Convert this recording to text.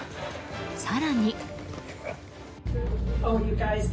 更に。